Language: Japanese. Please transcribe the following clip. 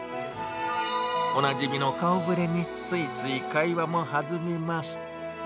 おなじみの顔ぶれに、ついつい会話も弾みます。